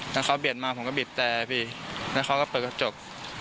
แล้วเขาเบียดมาผมก็บีบแต่พี่แล้วเขาก็เปิดกระจก